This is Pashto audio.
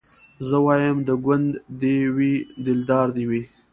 زه وايم د ګوند دي وي دلدار دي وي